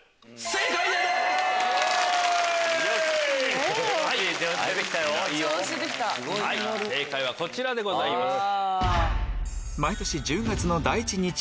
正解はこちらでございます。